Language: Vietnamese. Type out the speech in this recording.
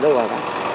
ở đâu rồi ạ